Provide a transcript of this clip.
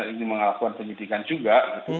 ini mengalakukan penyidikan juga